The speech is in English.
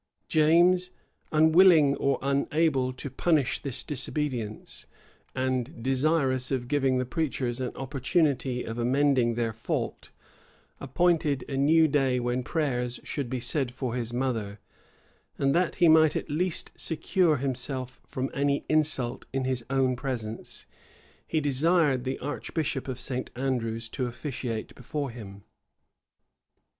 James, unwilling or unable to punish this disobedience, and desirous of giving the preachers an opportunity of amending their fault, appointed a new day when prayers should be said for his mother; and that he might at least secure himself from any insult in his own presence, he desired the archbishop of St. Andrews to officiate before him.